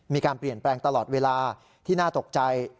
มีการเปลี่ยนแปลงตลอดเวลาที่น่าตกใจ